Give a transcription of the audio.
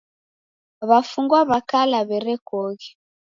W'afungwa w'a kala w'erekoghe.